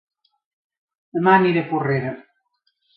Dema aniré a Porrera